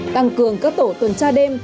tăng cường các tổ tuần tra đêm